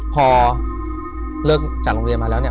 พอเลิกจากโรงเรียนมาแล้วเนี่ย